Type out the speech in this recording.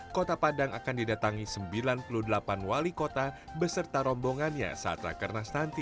kota padang akan didatangi sembilan puluh delapan wali kota beserta rombongannya saat rakernas nanti